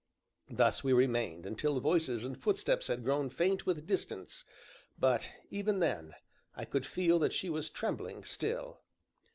Thus we remained until voices and footsteps had grown faint with distance, but, even then, I could feel that she was trembling still.